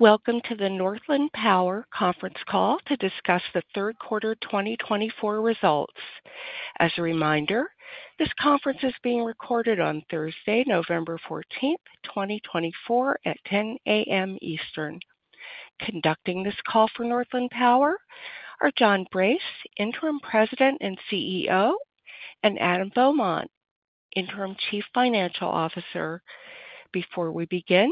Welcome to the Northland Power conference call to discuss the third quarter 2024 results. As a reminder, this conference is being recorded on Thursday, November 14th, 2024, at 10:00 A.M. Eastern. Conducting this call for Northland Power are John Brace, Interim President and CEO, and Adam Beaumont, Interim Chief Financial Officer. Before we begin,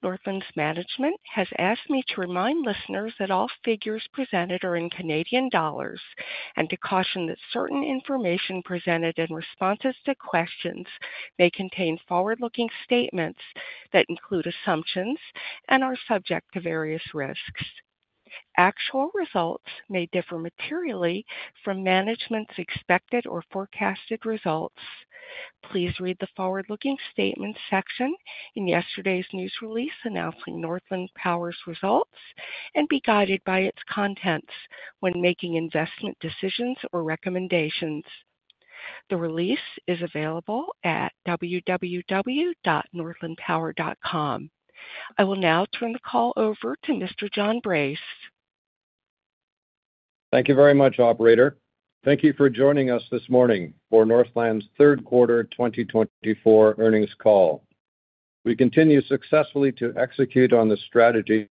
Northland's management has asked me to remind listeners that all figures presented are in Canadian dollars and to caution that certain information presented in responses to questions may contain forward-looking statements that include assumptions and are subject to various risks. Actual results may differ materially from management's expected or forecasted results. Please read the forward-looking statements section in yesterday's news release announcing Northland Power's results and be guided by its contents when making investment decisions or recommendations. The release is available at www.northlandpower.com. I will now turn the call over to Mr. John Brace. Thank you very much, Operator. Thank you for joining us this morning for Northland's third quarter 2024 earnings call. We continue successfully to execute on the strategy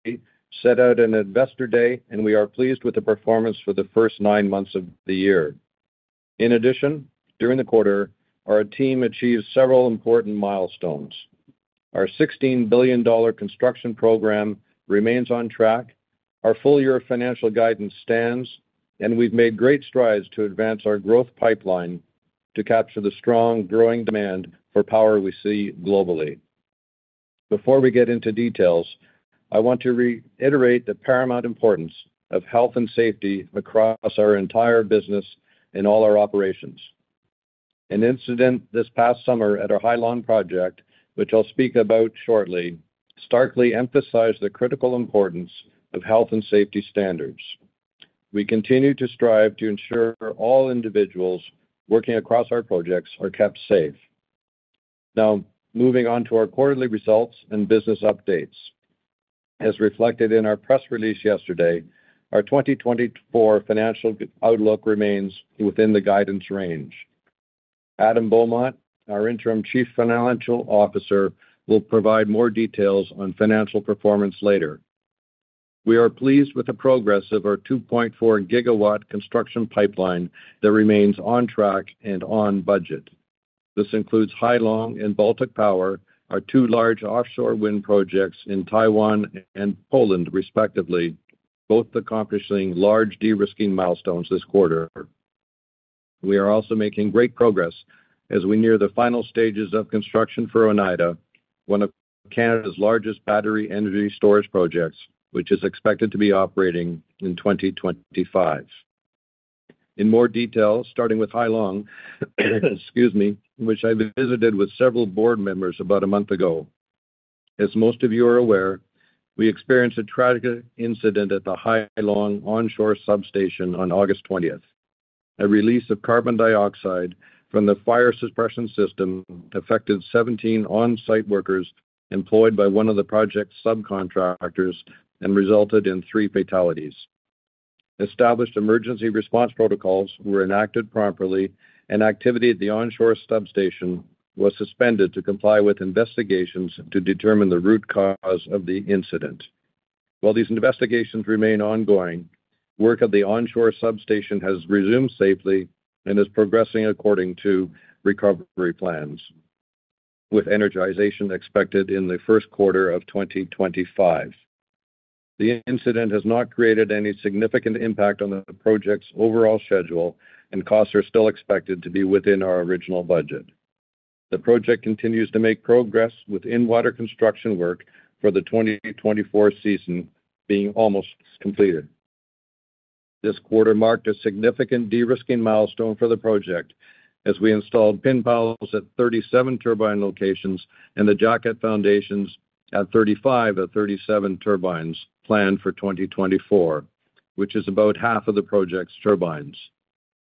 set out in Investor Day, and we are pleased with the performance for the first nine months of the year. In addition, during the quarter, our team achieved several important milestones. Our 16 billion dollar construction program remains on track, our full-year financial guidance stands, and we've made great strides to advance our growth pipeline to capture the strong growing demand for power we see globally. Before we get into details, I want to reiterate the paramount importance of health and safety across our entire business and all our operations. An incident this past summer at our Hai Long project, which I'll speak about shortly, starkly emphasized the critical importance of health and safety standards. We continue to strive to ensure all individuals working across our projects are kept safe. Now, moving on to our quarterly results and business updates. As reflected in our press release yesterday, our 2024 financial outlook remains within the guidance range. Adam Beaumont, our Interim Chief Financial Officer, will provide more details on financial performance later. We are pleased with the progress of our 2.4 GW construction pipeline that remains on track and on budget. This includes Hai Long and Baltic Power, our two large offshore wind projects in Taiwan and Poland, respectively, both accomplishing large de-risking milestones this quarter. We are also making great progress as we near the final stages of construction for Oneida, one of Canada's largest battery energy storage projects, which is expected to be operating in 2025. In more detail, starting with Hai Long, excuse me, which I visited with several board members about a month ago. As most of you are aware, we experienced a tragic incident at the Hai Long onshore substation on August 20th. A release of carbon dioxide from the fire suppression system affected 17 on-site workers employed by one of the project subcontractors and resulted in three fatalities. Established emergency response protocols were enacted properly, and activity at the onshore substation was suspended to comply with investigations to determine the root cause of the incident. While these investigations remain ongoing, work at the onshore substation has resumed safely and is progressing according to recovery plans, with energization expected in the first quarter of 2025. The incident has not created any significant impact on the project's overall schedule, and costs are still expected to be within our original budget. The project continues to make progress in-water construction work for the 2024 season, being almost completed. This quarter marked a significant de-risking milestone for the project, as we installed pin piles at 37 turbine locations and the jacket foundations at 35 of 37 turbines planned for 2024, which is about half of the project's turbines.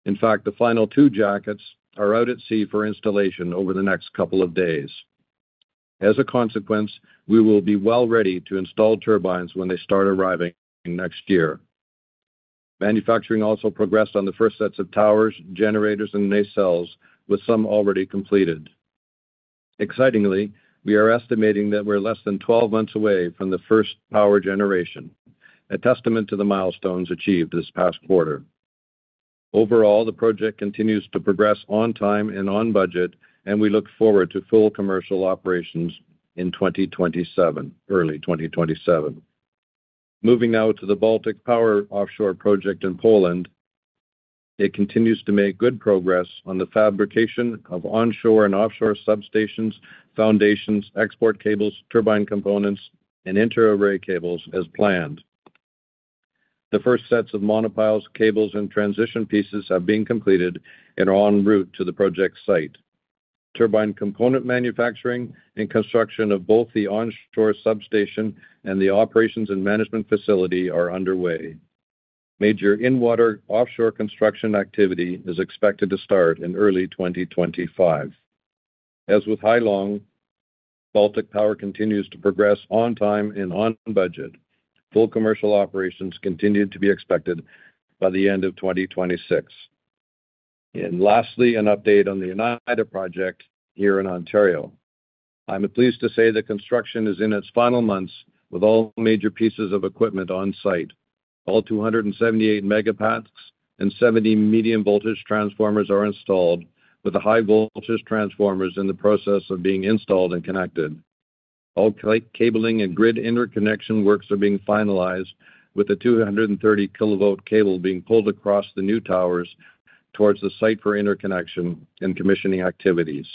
In fact, the final two jackets are out at sea for installation over the next couple of days. As a consequence, we will be well ready to install turbines when they start arriving next year. Manufacturing also progressed on the first sets of towers, generators, and nacelles, with some already completed. Excitingly, we are estimating that we're less than 12 months away from the first power generation, a testament to the milestones achieved this past quarter. Overall, the project continues to progress on time and on budget, and we look forward to full commercial operations in 2027, early 2027. Moving now to the Baltic Power offshore project in Poland, it continues to make good progress on the fabrication of onshore and offshore substations, foundations, export cables, turbine components, and inter-array cables as planned. The first sets of monopiles, cables, and transition pieces have been completed and are en route to the project site. Turbine component manufacturing and construction of both the onshore substation and the operations and management facility are underway. Major in-water offshore construction activity is expected to start in early 2025. As with Hai Long, Baltic Power continues to progress on time and on budget. Full commercial operations continue to be expected by the end of 2026. Lastly, an update on the Oneida project here in Ontario. I'm pleased to say the construction is in its final months, with all major pieces of equipment on site. All 278 Megapacks and 70 medium voltage transformers are installed, with the high voltage transformers in the process of being installed and connected. All cabling and grid interconnection works are being finalized, with the 230-kilovolt cable being pulled across the new towers towards the site for interconnection and commissioning activities.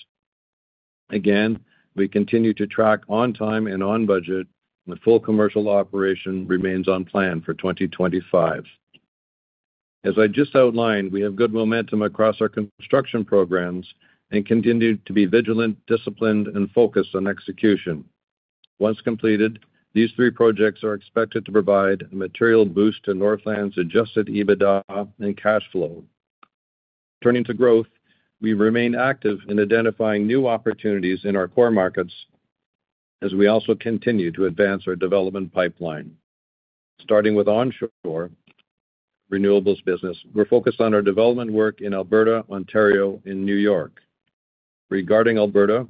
Again, we continue to track on time and on budget, and full commercial operation remains on plan for 2025. As I just outlined, we have good momentum across our construction programs and continue to be vigilant, disciplined, and focused on execution. Once completed, these three projects are expected to provide a material boost to Northland's Adjusted EBITDA and cash flow. Turning to growth, we remain active in identifying new opportunities in our core markets as we also continue to advance our development pipeline. Starting with onshore renewables business, we're focused on our development work in Alberta, Ontario, and New York. Regarding Alberta,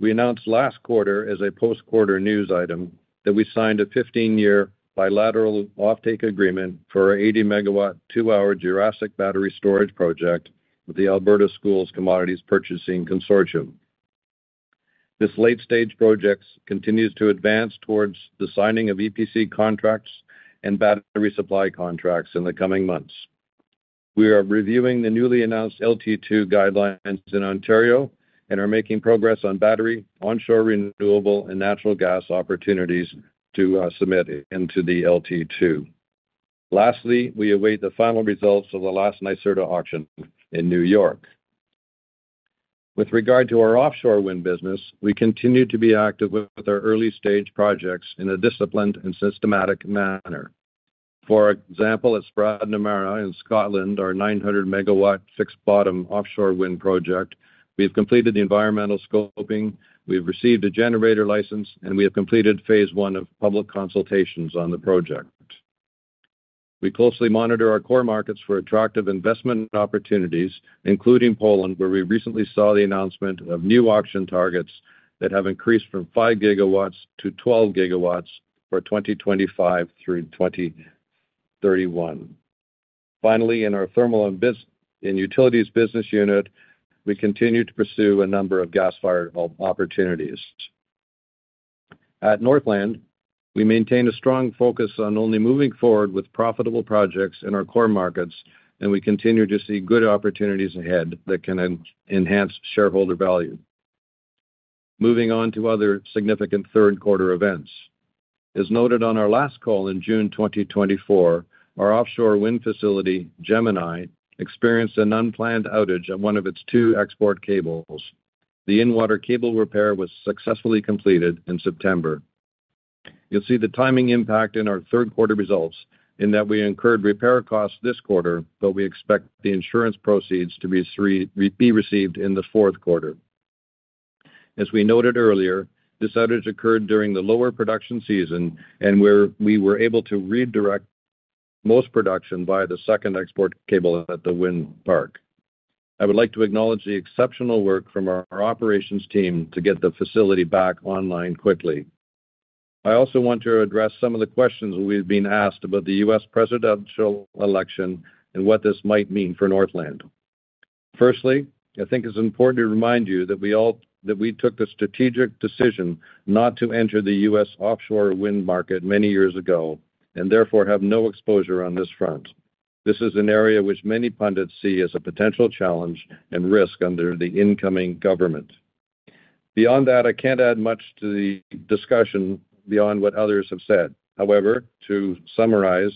we announced last quarter as a post-quarter news item that we signed a 15-year bilateral offtake agreement for an 80-megawatt, two-hour Jurassic battery storage project with the Alberta Schools' Commodities Purchasing Consortium. This late-stage project continues to advance towards the signing of EPC contracts and battery supply contracts in the coming months. We are reviewing the newly announced LT2 guidelines in Ontario and are making progress on battery, onshore renewable, and natural gas opportunities to submit into the LT2. Lastly, we await the final results of the last NYSERDA auction in New York. With regard to our offshore wind business, we continue to be active with our early-stage projects in a disciplined and systematic manner. For example, at Spittal in Scotland, our 900 MW fixed-bottom offshore wind project, we've completed the environmental scoping, we've received a generator license, and we have completed phase one of public consultations on the project. We closely monitor our core markets for attractive investment opportunities, including Poland, where we recently saw the announcement of new auction targets that have increased from 5 GW to 12 GW for 2025 through 2031. Finally, in our thermal and utilities business unit, we continue to pursue a number of gas-fired opportunities. At Northland, we maintain a strong focus on only moving forward with profitable projects in our core markets, and we continue to see good opportunities ahead that can enhance shareholder value. Moving on to other significant third-quarter events. As noted on our last call in June 2024, our offshore wind facility, Gemini, experienced an unplanned outage on one of its two export cables. The in-water cable repair was successfully completed in September. You'll see the timing impact in our third-quarter results in that we incurred repair costs this quarter, but we expect the insurance proceeds to be received in the fourth quarter. As we noted earlier, this outage occurred during the lower production season and where we were able to redirect most production via the second export cable at the wind park. I would like to acknowledge the exceptional work from our operations team to get the facility back online quickly. I also want to address some of the questions we've been asked about the U.S. presidential election and what this might mean for Northland. Firstly, I think it's important to remind you that we took the strategic decision not to enter the U.S. offshore wind market many years ago and therefore have no exposure on this front. This is an area which many pundits see as a potential challenge and risk under the incoming government. Beyond that, I can't add much to the discussion beyond what others have said. However, to summarize,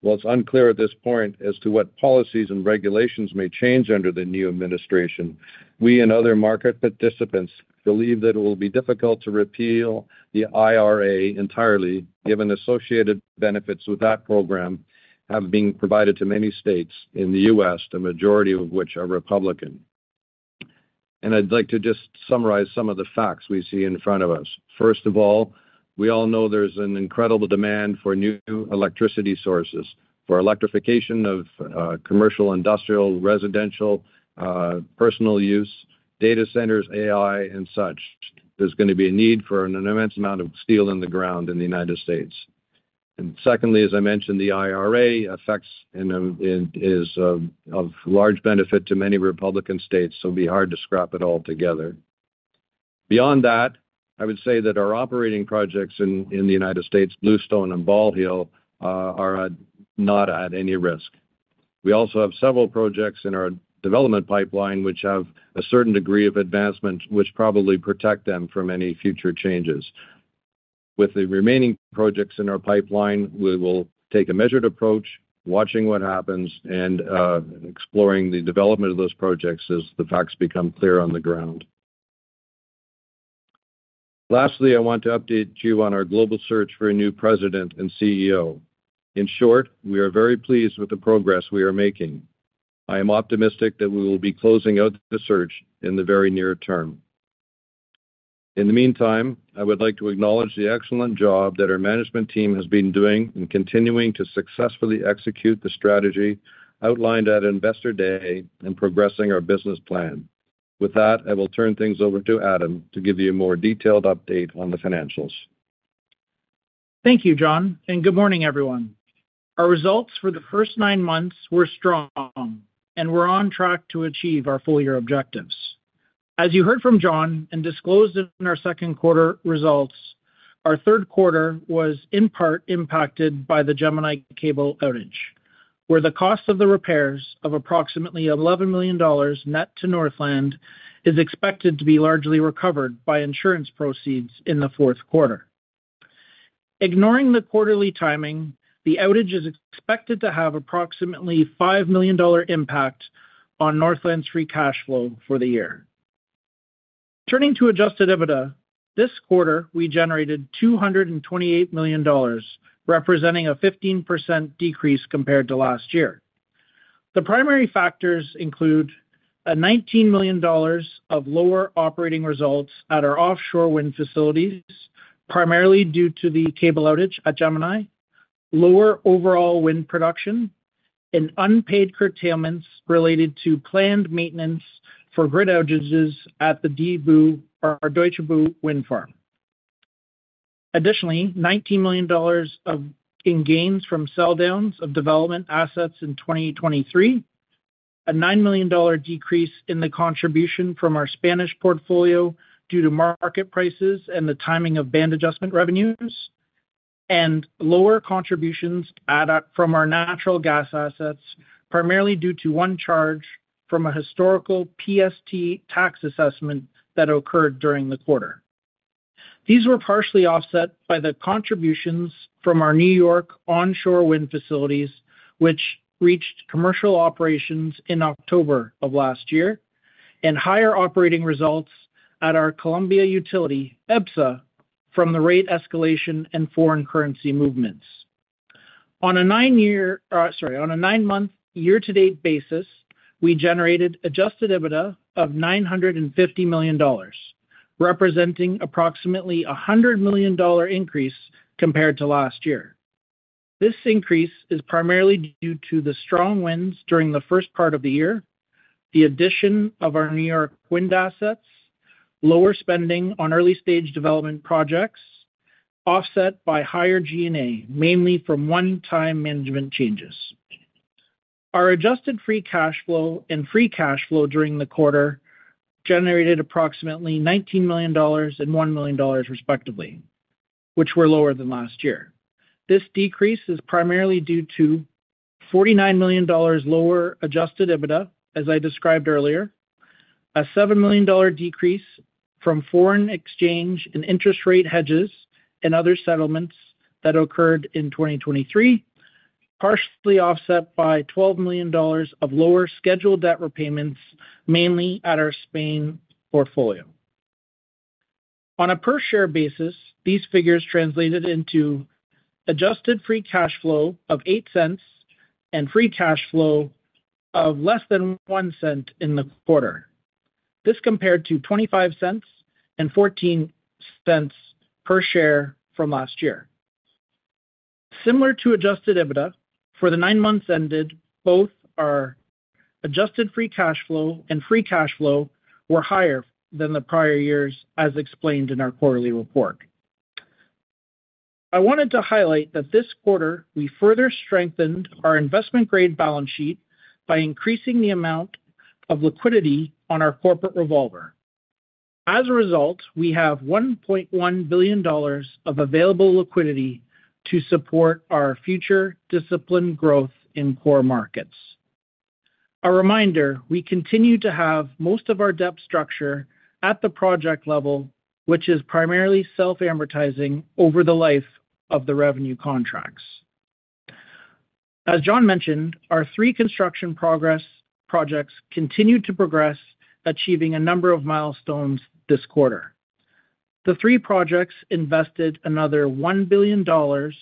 while it's unclear at this point as to what policies and regulations may change under the new administration, we and other market participants believe that it will be difficult to repeal the IRA entirely, given associated benefits with that program have been provided to many states in the U.S., the majority of which are Republican. And I'd like to just summarize some of the facts we see in front of us. First of all, we all know there's an incredible demand for new electricity sources for electrification of commercial, industrial, residential, personal use, data centers, AI, and such. There's going to be a need for an immense amount of steel in the ground in the United States. And secondly, as I mentioned, the IRA affects are of large benefit to many Republican states, so it'll be hard to scrap it altogether. Beyond that, I would say that our operating projects in the United States, Bluestone and Ball Hill, are not at any risk. We also have several projects in our development pipeline which have a certain degree of advancement, which probably protect them from any future changes. With the remaining projects in our pipeline, we will take a measured approach, watching what happens and exploring the development of those projects as the facts become clear on the ground. Lastly, I want to update you on our global search for a new president and CEO. In short, we are very pleased with the progress we are making. I am optimistic that we will be closing out the search in the very near term. In the meantime, I would like to acknowledge the excellent job that our management team has been doing and continuing to successfully execute the strategy outlined at Investor Day and progressing our business plan. With that, I will turn things over to Adam to give you a more detailed update on the financials. Thank you, John, and good morning, everyone. Our results for the first nine months were strong, and we're on track to achieve our full-year objectives. As you heard from John and disclosed in our second quarter results, our third quarter was in part impacted by the Gemini cable outage, where the cost of the repairs of approximately 11 million dollars net to Northland is expected to be largely recovered by insurance proceeds in the fourth quarter. Ignoring the quarterly timing, the outage is expected to have approximately 5 million dollar impact on Northland's free cash flow for the year. Turning to adjusted EBITDA, this quarter, we generated 228 million dollars, representing a 15% decrease compared to last year. The primary factors include a 19 million dollars of lower operating results at our offshore wind facilities, primarily due to the cable outage at Gemini, lower overall wind production, and unpaid curtailments related to planned maintenance for grid outages at the Deutsche Bucht wind farm. Additionally, 19 million dollars in gains from sell-downs of development assets in 2023, a 9 million dollar decrease in the contribution from our Spanish portfolio due to market prices and the timing of band adjustment revenues, and lower contributions from our natural gas assets, primarily due to one charge from a historical PST tax assessment that occurred during the quarter. These were partially offset by the contributions from our New York onshore wind facilities, which reached commercial operations in October of last year, and higher operating results at our Colombia utility, EBSA, from the rate escalation and foreign currency movements. On a nine-year, sorry, on a nine-month year-to-date basis, we generated adjusted EBITDA of 950 million dollars, representing approximately a 100 million dollar increase compared to last year. This increase is primarily due to the strong winds during the first part of the year, the addition of our New York wind assets, lower spending on early-stage development projects, offset by higher G&A, mainly from one-time management changes. Our adjusted free cash flow and free cash flow during the quarter generated approximately 19 million dollars and 1 million dollars, respectively, which were lower than last year. This decrease is primarily due to 49 million dollars lower adjusted EBITDA, as I described earlier, a 7 million dollar decrease from foreign exchange and interest rate hedges and other settlements that occurred in 2023, partially offset by 12 million dollars of lower scheduled debt repayments, mainly at our Spain portfolio. On a per-share basis, these figures translated into adjusted free cash flow of 0.08 and free cash flow of less than 0.01 in the quarter. This compared to 0.25 and 0.14 per share from last year. Similar to Adjusted EBITDA, for the nine months ended, both our adjusted free cash flow and free cash flow were higher than the prior years, as explained in our quarterly report. I wanted to highlight that this quarter, we further strengthened our investment-grade balance sheet by increasing the amount of liquidity on our corporate revolver. As a result, we have 1.1 billion dollars of available liquidity to support our future disciplined growth in core markets. A reminder, we continue to have most of our debt structure at the project level, which is primarily self-amortizing over the life of the revenue contracts. As John mentioned, our three construction progress projects continued to progress, achieving a number of milestones this quarter. The three projects invested another 1 billion dollars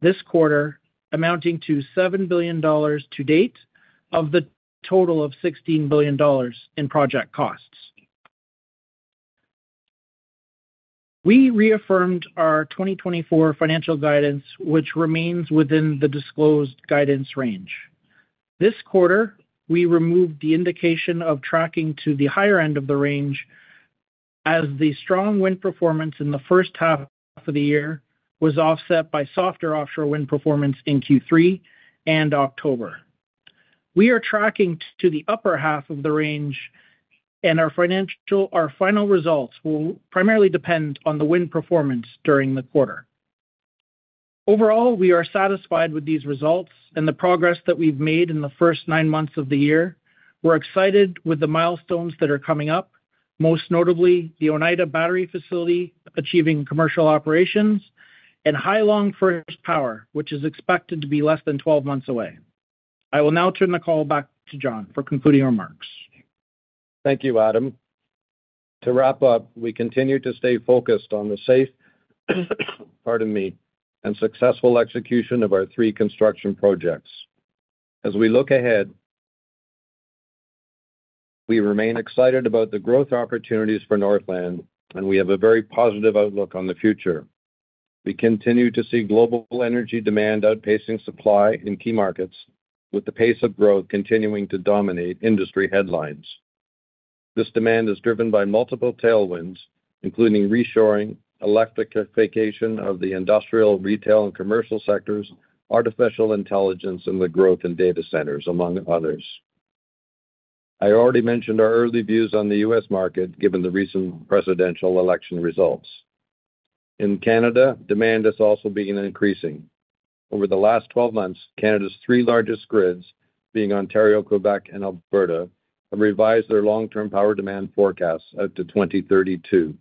this quarter, amounting to 7 billion dollars to date of the total of 16 billion dollars in project costs. We reaffirmed our 2024 financial guidance, which remains within the disclosed guidance range. This quarter, we removed the indication of tracking to the higher end of the range, as the strong wind performance in the first half of the year was offset by softer offshore wind performance in Q3 and October. We are tracking to the upper half of the range, and our final results will primarily depend on the wind performance during the quarter. Overall, we are satisfied with these results and the progress that we've made in the first nine months of the year. We're excited with the milestones that are coming up, most notably the Oneida battery facility achieving commercial operations and Hai Long first power, which is expected to be less than 12 months away. I will now turn the call back to John for concluding remarks. Thank you, Adam. To wrap up, we continue to stay focused on the safe, pardon me, and successful execution of our three construction projects. As we look ahead, we remain excited about the growth opportunities for Northland, and we have a very positive outlook on the future. We continue to see global energy demand outpacing supply in key markets, with the pace of growth continuing to dominate industry headlines. This demand is driven by multiple tailwinds, including reshoring, electrification of the industrial, retail, and commercial sectors, artificial intelligence, and the growth in data centers, among others. I already mentioned our early views on the U.S. market, given the recent presidential election results. In Canada, demand is also increasing. Over the last 12 months, Canada's three largest grids, being Ontario, Quebec, and Alberta, have revised their long-term power demand forecasts out to 2032.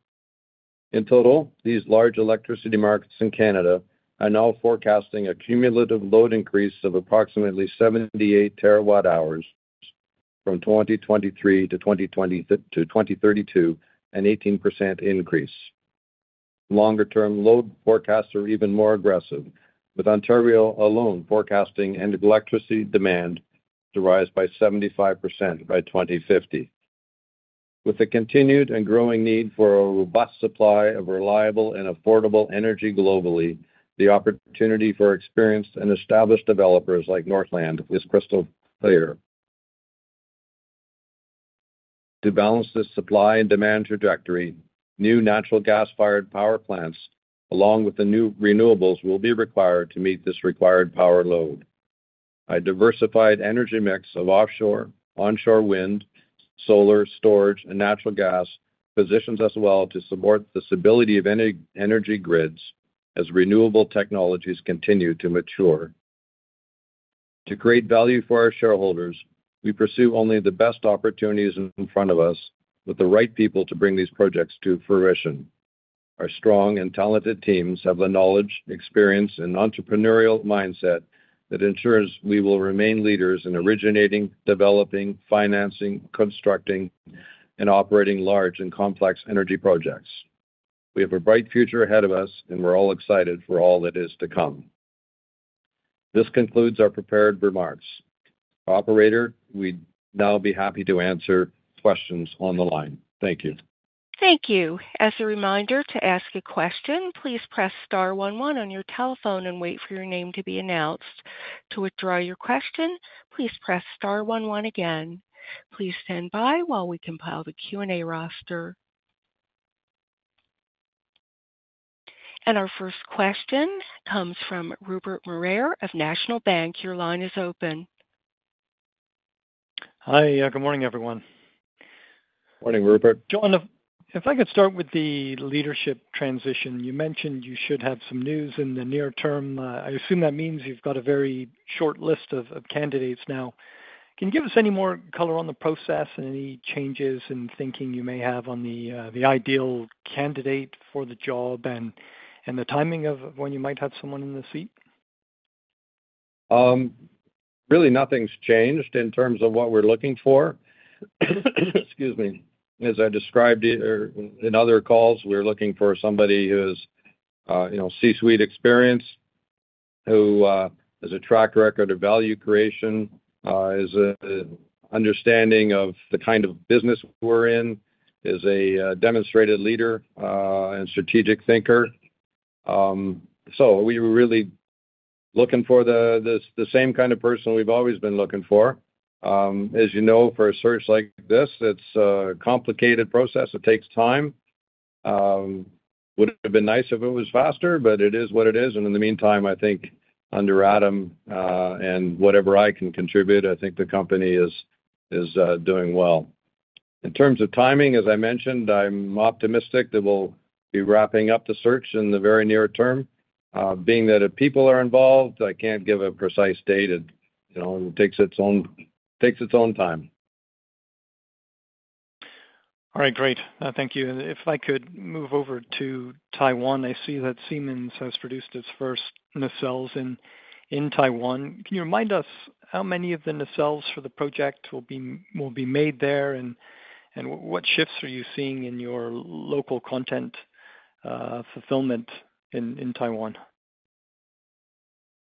In total, these large electricity markets in Canada are now forecasting a cumulative load increase of approximately 78 terawatt-hours from 2023 to 2032, an 18% increase. Longer-term load forecasts are even more aggressive, with Ontario alone forecasting an electricity demand to rise by 75% by 2050. With the continued and growing need for a robust supply of reliable and affordable energy globally, the opportunity for experienced and established developers like Northland is crystal clear. To balance this supply and demand trajectory, new natural gas-fired power plants, along with the new renewables, will be required to meet this required power load. A diversified energy mix of offshore, onshore wind, solar storage, and natural gas positions us well to support the stability of energy grids as renewable technologies continue to mature. To create value for our shareholders, we pursue only the best opportunities in front of us, with the right people to bring these projects to fruition. Our strong and talented teams have the knowledge, experience, and entrepreneurial mindset that ensures we will remain leaders in originating, developing, financing, constructing, and operating large and complex energy projects. We have a bright future ahead of us, and we're all excited for all that is to come. This concludes our prepared remarks. Operator, we'd now be happy to answer questions on the line. Thank you. Thank you. As a reminder to ask a question, please press star one one on your telephone and wait for your name to be announced. To withdraw your question, please press star one one again. Please stand by while we compile the Q&A roster. Our first question comes from Rupert Merer of National Bank. Your line is open. Hi. Good morning, everyone. Morning, Rupert. John, if I could start with the leadership transition, you mentioned you should have some news in the near term. I assume that means you've got a very short list of candidates now. Can you give us any more color on the process and any changes in thinking you may have on the ideal candidate for the job and the timing of when you might have someone in the seat? Really, nothing's changed in terms of what we're looking for. Excuse me. As I described in other calls, we're looking for somebody who has C-suite experience, who has a track record of value creation, has an understanding of the kind of business we're in, is a demonstrated leader and strategic thinker, so we were really looking for the same kind of person we've always been looking for. As you know, for a search like this, it's a complicated process. It takes time. It would have been nice if it was faster, but it is what it is, and in the meantime, I think under Adam and whatever I can contribute, I think the company is doing well. In terms of timing, as I mentioned, I'm optimistic that we'll be wrapping up the search in the very near term, being that if people are involved, I can't give a precise date. It takes its own time. All right. Great. Thank you. And if I could move over to Taiwan, I see that Siemens has produced its first nacelles in Taiwan. Can you remind us how many of the nacelles for the project will be made there, and what shifts are you seeing in your local content fulfillment in Taiwan?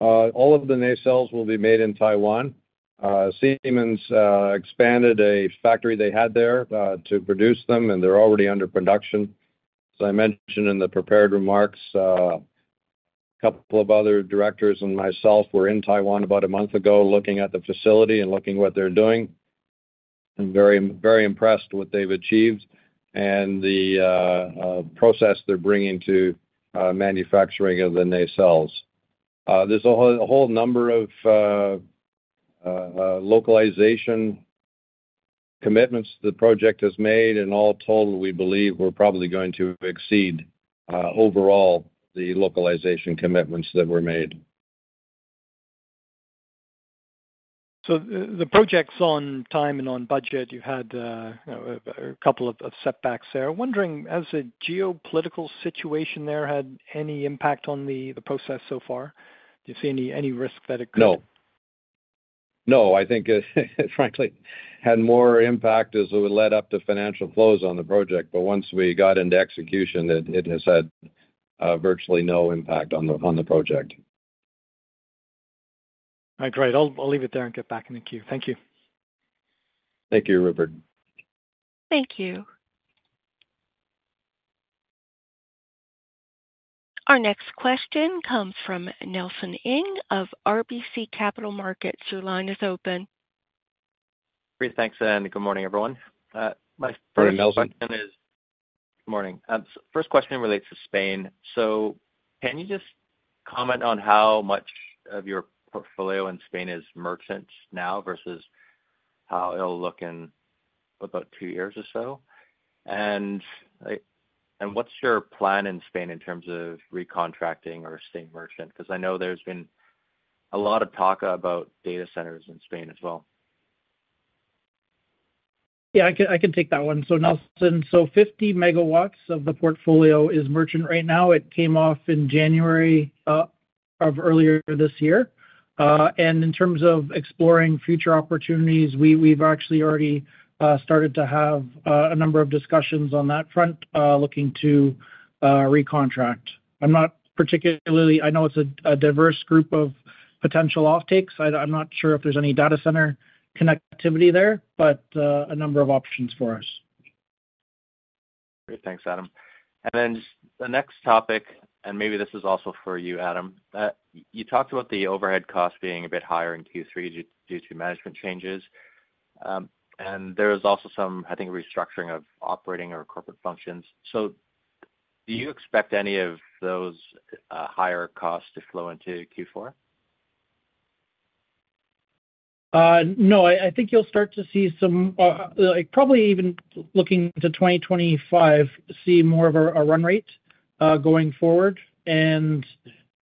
All of the nacelles will be made in Taiwan. Siemens expanded a factory they had there to produce them, and they're already under production. As I mentioned in the prepared remarks, a couple of other directors and myself were in Taiwan about a month ago looking at the facility and looking at what they're doing. I'm very impressed with what they've achieved and the process they're bringing to manufacturing of the nacelles. There's a whole number of localization commitments the project has made, and all told, we believe we're probably going to exceed overall the localization commitments that were made. So the project's on time and on budget. You had a couple of setbacks there. I'm wondering, has the geopolitical situation there had any impact on the process so far? Do you see any risk that it could? No. No. I think it frankly had more impact as it led up to financial close on the project. But once we got into execution, it has had virtually no impact on the project. All right. Great. I'll leave it there and get back in the queue. Thank you. Thank you, Rupert. Thank you. Our next question comes from Nelson Ng of RBC Capital Markets. Your line is open. Great. Thanks, Anne. Good morning, everyone. My first question relates to Spain. So can you just comment on how much of your portfolio in Spain is merchant now versus how it'll look in about two years or so? And what's your plan in Spain in terms of recontracting or staying merchant? Because I know there's been a lot of talk about data centers in Spain as well. Yeah. I can take that one. So Nelson, so 50 MW of the portfolio is merchant right now. It came off in January of earlier this year. And in terms of exploring future opportunities, we've actually already started to have a number of discussions on that front looking to recontract. I know it's a diverse group of potential offtakes. I'm not sure if there's any data center connectivity there, but a number of options for us. Great. Thanks, Adam. The next topic, and maybe this is also for you, Adam. You talked about the overhead costs being a bit higher in Q3 due to management changes. And there is also some, I think, restructuring of operating or corporate functions. So do you expect any of those higher costs to flow into Q4? No. I think you'll start to see some, probably even looking to 2025, see more of a run rate going forward. And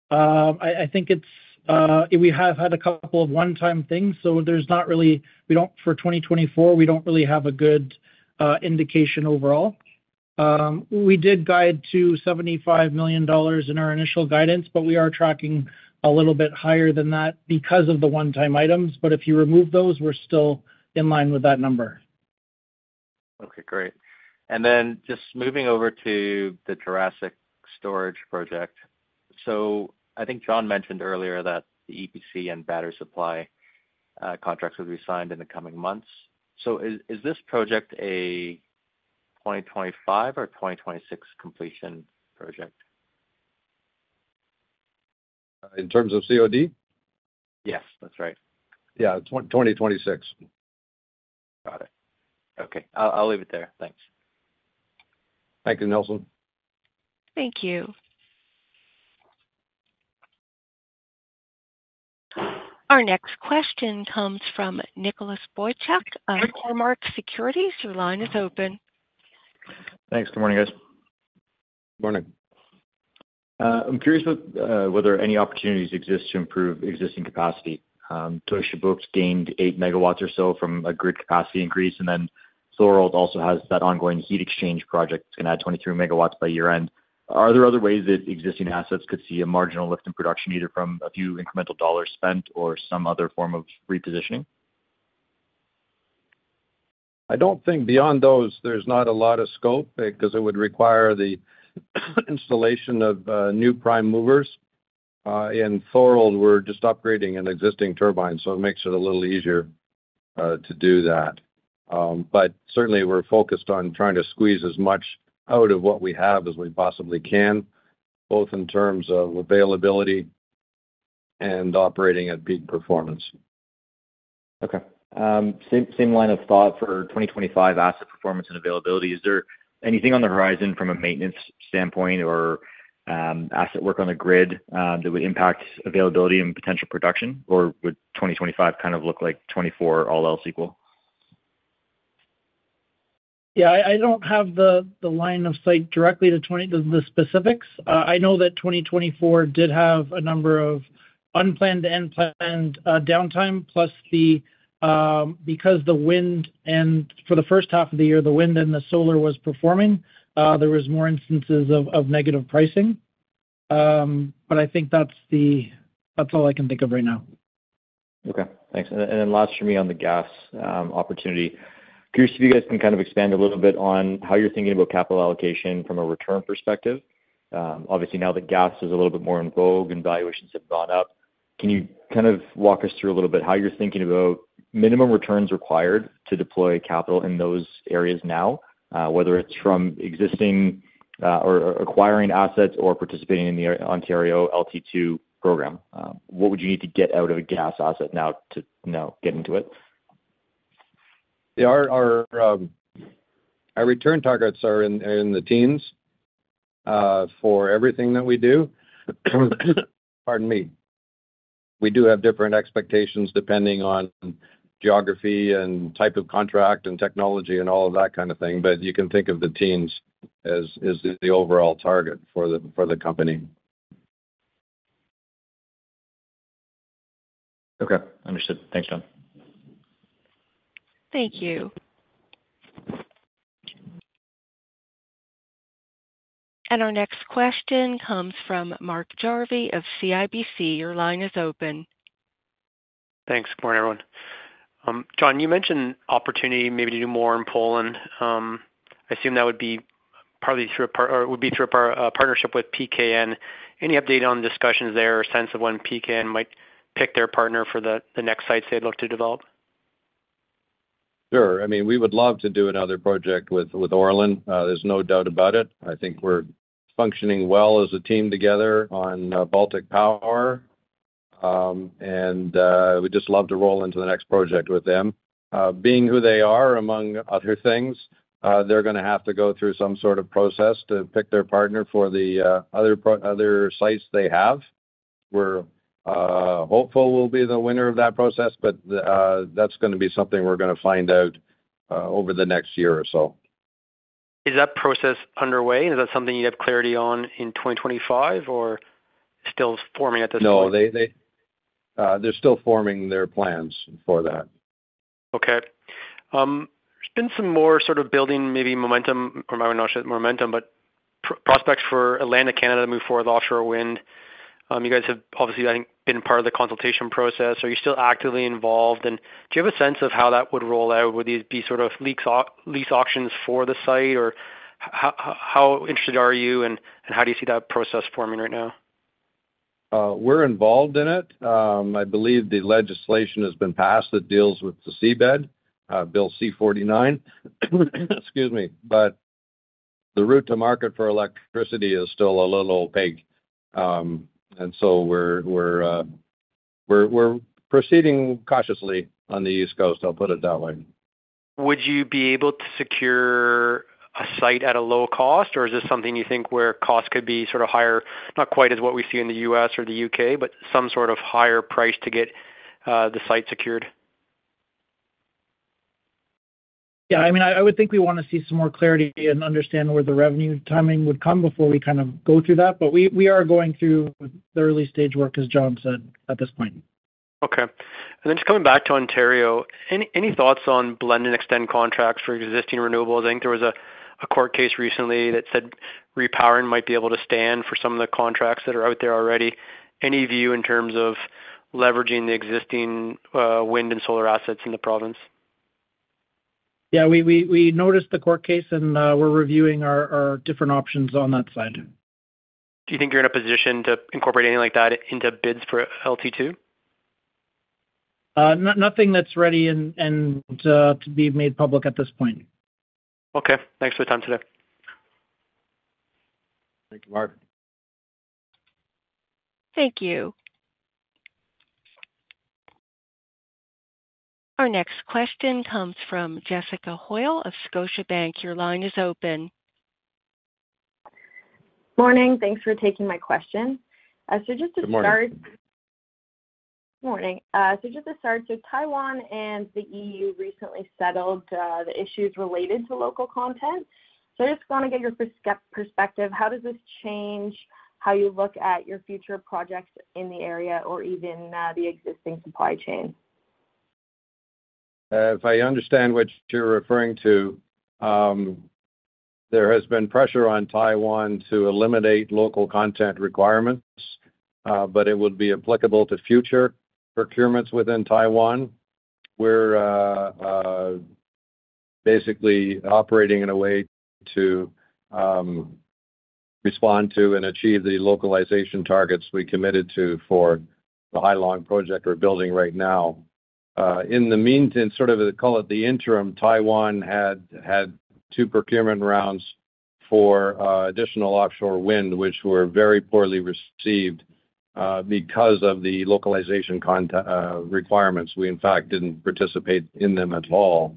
I think we have had a couple of one-time things, so there's not really for 2024. We don't really have a good indication overall. We did guide to 75 million dollars in our initial guidance, but we are tracking a little bit higher than that because of the one-time items. But if you remove those, we're still in line with that number. Okay. Great. And then just moving over to the Jurassic Storage project. So I think John mentioned earlier that the EPC and battery supply contracts would be signed in the coming months. So is this project a 2025 or 2026 completion project? In terms of COD? Yes. That's right. Yeah. 2026. Got it. Okay. I'll leave it there. Thanks. Thank you, Nelson. Thank you. Our next question comes from Nicholas Boychuk, Cormark Securities. Your line is open. Thanks. Good morning, guys. Good morning. I'm curious whether any opportunities exist to improve existing capacity. Deutsche Bucht gained eight megawatts or so from a grid capacity increase, and then Thorold also has that ongoing heat exchange project that's going to add 23 MW by year-end. Are there other ways that existing assets could see a marginal lift in production, either from a few incremental dollars spent or some other form of repositioning? I don't think beyond those, there's not a lot of scope because it would require the installation of new prime movers, and Thorold, we're just upgrading an existing turbine, so it makes it a little easier to do that. But certainly, we're focused on trying to squeeze as much out of what we have as we possibly can, both in terms of availability and operating at peak performance. Okay. Same line of thought for 2025 asset performance and availability. Is there anything on the horizon from a maintenance standpoint or asset work on the grid that would impact availability and potential production, or would 2025 kind of look like 2024 all else equal? Yeah. I don't have the line of sight directly to the specifics. I know that 2024 did have a number of unplanned downtime, plus because the wind and for the first half of the year, the wind and the solar was performing, there were more instances of negative pricing, but I think that's all I can think of right now. Okay. Thanks. And then last for me on the gas opportunity. Curious if you guys can kind of expand a little bit on how you're thinking about capital allocation from a return perspective. Obviously, now that gas is a little bit more in vogue and valuations have gone up, can you kind of walk us through a little bit how you're thinking about minimum returns required to deploy capital in those areas now, whether it's from existing or acquiring assets or participating in the Ontario LT2 program? What would you need to get out of a gas asset now to get into it? Yeah. Our return targets are in the teens for everything that we do. Pardon me. We do have different expectations depending on geography and type of contract and technology and all of that kind of thing. But you can think of the teens as the overall target for the company. Okay. Understood. Thanks, John. Thank you. And our next question comes from Mark Jarvi of CIBC. Your line is open. Thanks. Good morning, everyone. John, you mentioned opportunity maybe to do more in Poland. I assume that would be partly through Orlen or it would be through a partnership with PKN. Any update on discussions there or sense of when PKN might pick their partner for the next sites they'd look to develop? Sure. I mean, we would love to do another project with Orlen. There's no doubt about it. I think we're functioning well as a team together on Baltic Power. And we'd just love to roll into the next project with them. Being who they are, among other things, they're going to have to go through some sort of process to pick their partner for the other sites they have. We're hopeful we'll be the winner of that process, but that's going to be something we're going to find out over the next year or so. Is that process underway? Is that something you have clarity on in 2025, or still forming at this point? No. They're still forming their plans for that. Okay. There's been some more sort of building maybe momentum, but prospects for Atlantic Canada to move forward with offshore wind. You guys have obviously, I think, been part of the consultation process. Are you still actively involved, and do you have a sense of how that would roll out? Would these be sort of lease auctions for the site, or how interested are you, and how do you see that process forming right now? We're involved in it. I believe the legislation has been passed that deals with the seabed, Bill C-49. Excuse me, but the route to market for electricity is still a little opaque, and so we're proceeding cautiously on the East Coast. I'll put it that way. Would you be able to secure a site at a low cost, or is this something you think where cost could be sort of higher, not quite as what we see in the U.S. or the U.K., but some sort of higher price to get the site secured? Yeah. I mean, I would think we want to see some more clarity and understand where the revenue timing would come before we kind of go through that. But we are going through the early stage work, as John said, at this point. Okay. And then just coming back to Ontario, any thoughts on blend and extend contracts for existing renewables? I think there was a court case recently that said repowering might be able to stand for some of the contracts that are out there already. Any view in terms of leveraging the existing wind and solar assets in the province? Yeah. We noticed the court case, and we're reviewing our different options on that side. Do you think you're in a position to incorporate anything like that into bids for LT2? Nothing that's ready to be made public at this point. Okay. Thanks for your time today. Thank you, Mark. Thank you. Our next question comes from Jessica Hoyle of Scotiabank. Your line is open. Good morning. Thanks for taking my question. So just to start, good morning. Good morning. So just to start, so Taiwan and the EU recently settled the issues related to local content. So I just want to get your perspective. How does this change how you look at your future projects in the area or even the existing supply chain? If I understand what you're referring to, there has been pressure on Taiwan to eliminate local content requirements, but it would be applicable to future procurements within Taiwan. We're basically operating in a way to respond to and achieve the localization targets we committed to for the Hai Long project we're building right now. In the meantime, sort of call it the interim, Taiwan had two procurement rounds for additional offshore wind, which were very poorly received because of the localization requirements. We, in fact, didn't participate in them at all.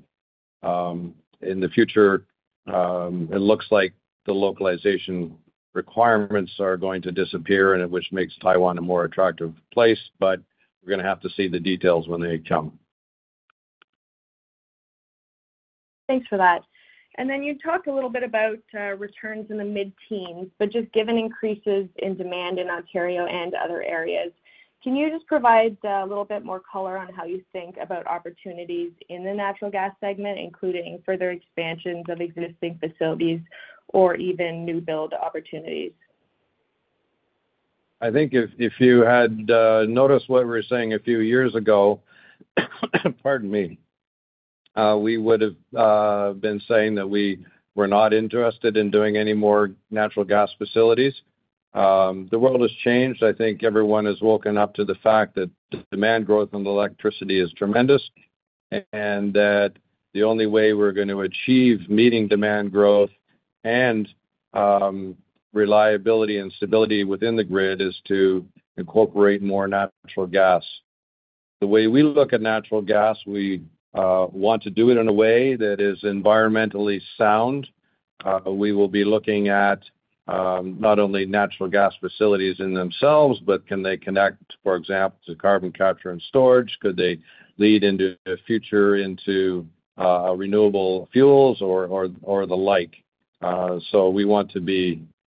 In the future, it looks like the localization requirements are going to disappear, which makes Taiwan a more attractive place. But we're going to have to see the details when they come. Thanks for that. And then you talked a little bit about returns in the mid-teens, but just given increases in demand in Ontario and other areas, can you just provide a little bit more color on how you think about opportunities in the natural gas segment, including further expansions of existing facilities or even new build opportunities? I think if you had noticed what we were saying a few years ago, pardon me, we would have been saying that we were not interested in doing any more natural gas facilities. The world has changed. I think everyone has woken up to the fact that the demand growth on electricity is tremendous and that the only way we're going to achieve meeting demand growth and reliability and stability within the grid is to incorporate more natural gas. The way we look at natural gas, we want to do it in a way that is environmentally sound. We will be looking at not only natural gas facilities in themselves, but can they connect, for example, to carbon capture and storage? Could they lead in the future into renewable fuels or the like? So we want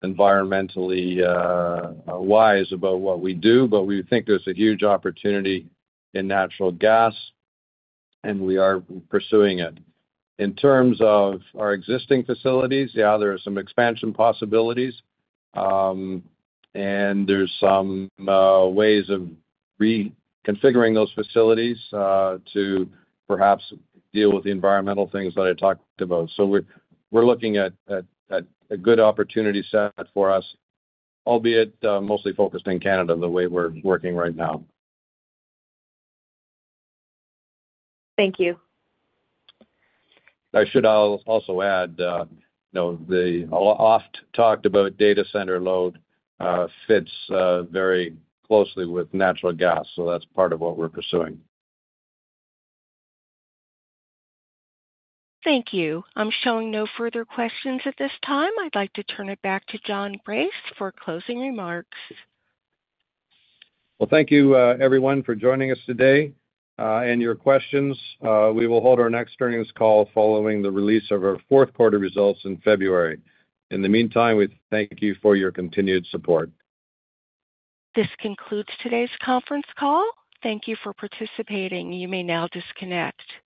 to be environmentally wise about what we do, but we think there's a huge opportunity in natural gas, and we are pursuing it. In terms of our existing facilities, yeah, there are some expansion possibilities, and there's some ways of reconfiguring those facilities to perhaps deal with the environmental things that I talked about. So we're looking at a good opportunity set for us, albeit mostly focused in Canada the way we're working right now. Thank you. I should also add the oft-talked-about data center load fits very closely with natural gas, so that's part of what we're pursuing. Thank you. I'm showing no further questions at this time. I'd like to turn it back to John Brace for closing remarks. Well, thank you, everyone, for joining us today and your questions. We will hold our next earnings call following the release of our fourth quarter results in February. In the meantime, we thank you for your continued support. This concludes today's conference call. Thank you for participating. You may now disconnect.